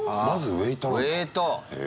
ウエイト！